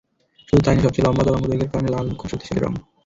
শুধু তা-ই নয়, সবচেয়ে লম্বা তরঙ্গদৈর্ঘ্যের কারণে লাল খুব শক্তিশালী রং।